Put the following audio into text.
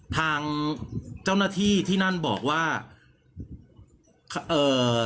ทางเจ้าหน้าที่ที่นั่นบอกว่าเอ่อ